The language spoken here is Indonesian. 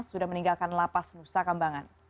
sudah meninggalkan lapas nusa kambangan